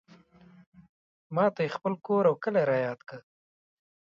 ماته یې خپل کور او کلی رایاد کړ.